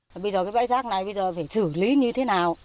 bây giờ cái bãi rác này phải xử lý như thế nào